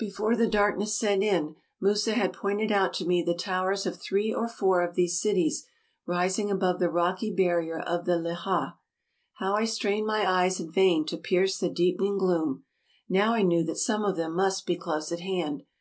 Before the darkness set in, Musa had pointed out to me the towers of three or four of these cities rising above the rocky barrier of the Lejah. How I strained my eyes in vain to pierce the deepening gloom! Now I knew that some of them must be close at hand.